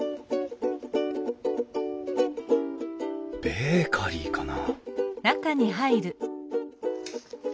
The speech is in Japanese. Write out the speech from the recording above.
ベーカリーかな？